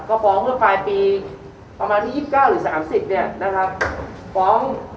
ก็ฟ้องเมื่อปลายปีประมาณที่ยิบเก้าหรือสามสิบเนี้ยนะครับฟ้อง